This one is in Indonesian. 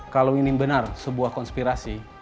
kalau ini benar sebuah konspirasi